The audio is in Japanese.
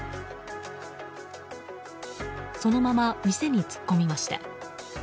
そのまま店に突っ込みました。